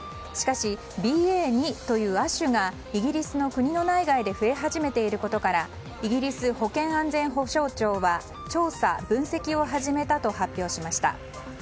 しかし、ＢＡ．２という亜種がイギリスの国の内外で増え始めていることからイギリス保健安全保障庁は調査・分析を始めたと発表しました。